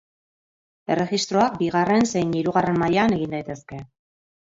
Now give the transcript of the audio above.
Erregistroak bigarren zein hirugarren mailan egin daitezke.